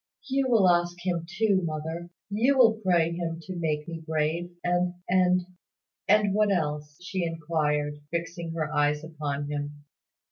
"You will ask Him too, mother; you will pray Him to make me brave, and and " "And what else?" she inquired, fixing her eyes upon him.